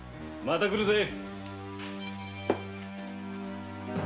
また来るぜ。